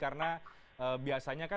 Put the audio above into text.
karena biasanya kan